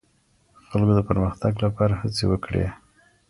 خلګو د پرمختګ لپاره هڅې وکړې.